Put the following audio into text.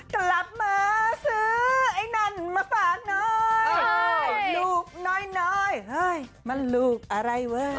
กลับมาซื้อไอ้นั่นมาฝากหน่อยไอ้ลูกน้อยเฮ้ยมันลูกอะไรเว้ย